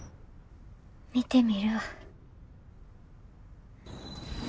見てみるわ。